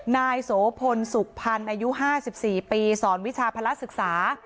นายโสพลสุขพันธ์อายุ๕๔ปีสอนวิชาภาระศึกษา